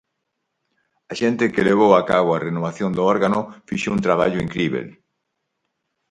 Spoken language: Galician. A xente que levou a cabo a renovación do órgano fixo un traballo incríbel.